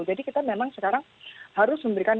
jadi kita memang sekarang harus memberikan